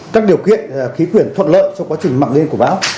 các điều kiện khí quyển thuận lợi trong quá trình mạng lên của bão